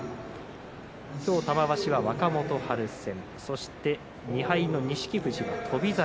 今日は玉鷲は若元春戦そして２敗の錦富士が翔猿。